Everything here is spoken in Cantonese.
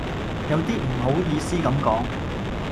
有啲唔好意思咁講